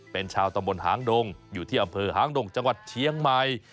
เป็นชาวตำบลหางดงอยู่ที่อำเภอหางดงจังหวัดเชียงใหม่